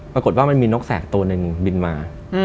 ปรากฏว่ามันมีนกแสกตัวหนึ่งบินมา